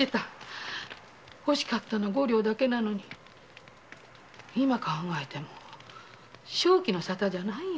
欲しかったのは五両なのに今考えても正気のさたじゃないよ。